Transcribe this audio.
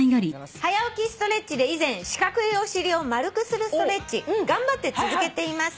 『はや起きストレッチ』で以前四角いお尻を丸くするストレッチ頑張って続けています。